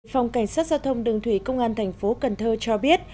phòng cảnh sát giao thông đường thủy công an thành phố cần thơ cho biết